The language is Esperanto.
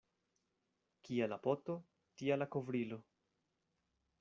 Kia la poto, tia la kovrilo.